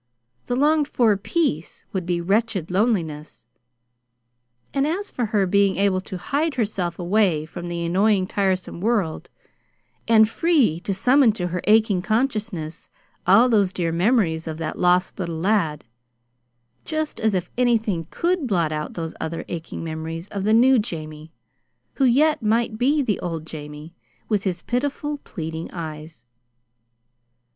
The longed for "peace" would be "wretched loneliness"; and as for her being able to "hide herself away from the annoying, tiresome world," and "free to summon to her aching consciousness all those dear memories of that lost little lad" just as if anything could blot out those other aching memories of the new Jamie (who yet might be the old Jamie) with his pitiful, pleading eyes!